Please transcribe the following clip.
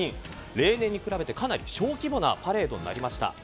例年に比べてかなり小規模なパレードになりました。